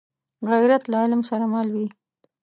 غیرت له علم سره مل وي